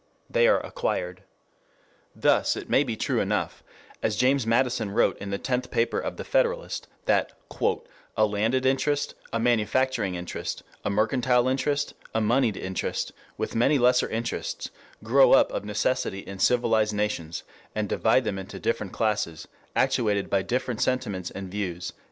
They are acquired. Thus it may be true enough, as James Madison wrote in the tenth paper of the Federalist, that "a landed interest, a manufacturing interest, a mercantile interest, a moneyed interest, with many lesser interests, grow up of necessity in civilized nations, and divide them into different classes, actuated by different sentiments and views."